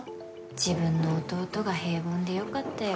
自分の弟が平凡でよかったよ。